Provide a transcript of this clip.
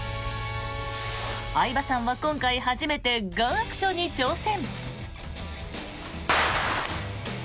相葉さんは今回初めてガンアクションに挑戦。